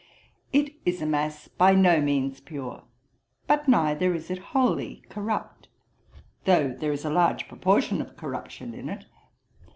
It is a mass by no means pure; but neither is it wholly corrupt, though there is a large proportion of corruption in it.